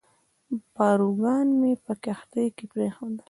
پاروګان مې په کښتۍ کې پرېښوول.